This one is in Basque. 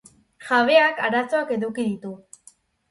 Jabeak arazoak eduki ditu.